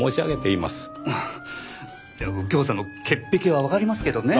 いや右京さんの潔癖はわかりますけどね。